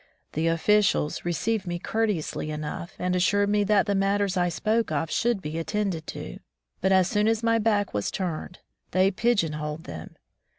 The officials received me courteously enough, and assured me that the matters I spoke of should be attended to, but as soon as my back was turned, they pigeon holed them.